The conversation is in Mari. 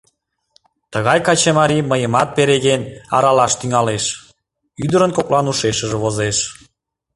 «Тыгай качымарий мыйымат переген аралаш тӱҥалеш», — ӱдырын коклан ушешыже возеш.